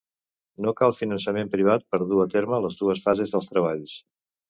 No cal finançament privat per dur a terme les dues fases dels treballs.